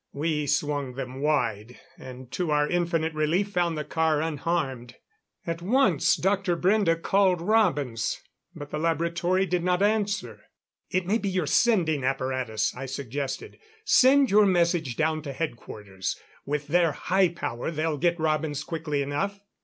We swung them wide, and to our infinite relief found the car unharmed. At once Dr. Brende called Robins. But the laboratory did not answer! "It may be your sending apparatus," I suggested. "Send your message down to Headquarters with their high power they'll get Robins quickly enough."